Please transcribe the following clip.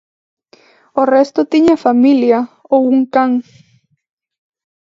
O resto tiña familia, ou un can.